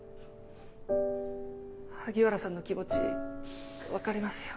萩原さんの気持ちわかりますよ。